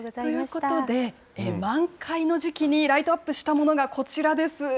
ということで、満開の時期にライトアップしたものが、こちらです。